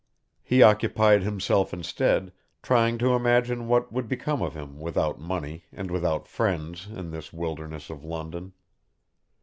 He occupied himself instead, trying to imagine what would become of him without money and without friends in this wilderness of London.